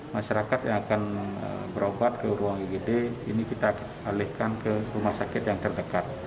masyarakat yang akan berobat ke ruang igd ini kita alihkan ke rumah sakit yang terdekat